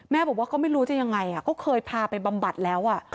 บอกว่าก็ไม่รู้จะยังไงก็เคยพาไปบำบัดแล้ว